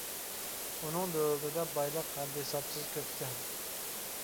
ئۇنىڭ دۆلىتىدە بايلىق ھەددى-ھېسابسىز كۆپ ئىكەن.